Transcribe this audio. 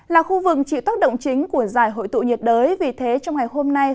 là khu vực chịu tác động chính của giải hội tụ nhiệt đới vì thế trong ngày hôm nay